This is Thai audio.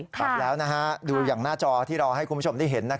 กลับแล้วดูอย่างหน้าจอที่เราให้คุณผู้ชมได้เห็น